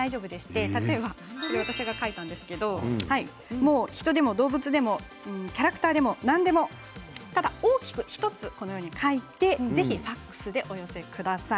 これは私が描いたんですけど人でも動物でもキャラクターでも何でもただ大きく１つこのように描いてファックスでお寄せください。